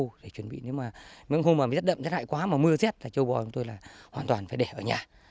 chúng tôi chuẩn bị nếu mà những hôm mà rét đậm rét hải quá mà mưa rét là châu bò chúng tôi là hoàn toàn phải để ở nhà